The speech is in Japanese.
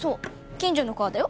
近所の川だよ。